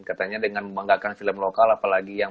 katanya dengan membanggakan film lokal apalagi yang